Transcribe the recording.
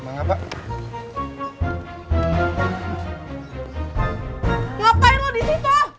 ngapain lo disitu